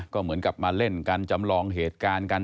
ก็เหมือนกับมาเล่นกันจำลองเหตุการณ์กัน